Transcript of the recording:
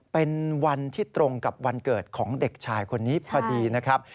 เป็นวันที่ตรงกับวันเกิดของเด็กชายคนนี้พอดีนะครับ